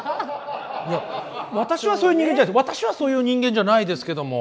いや私はそういう人間じゃ私はそういう人間じゃないですけども。